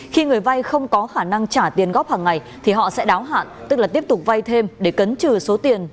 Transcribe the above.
khi người vay không có khả năng trả tiền góp hàng ngày thì họ sẽ đáo hạn tức là tiếp tục vay thêm để cấn trừ số tiền